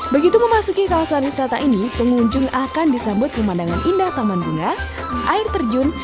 begitu memasuki kawasan wisata ini pengunjung akan disambut pemandangan indah taman bunga air terjun